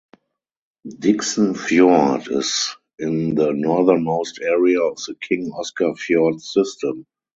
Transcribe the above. Dickson Fjord is in the northernmost area of the King Oscar Fjord system.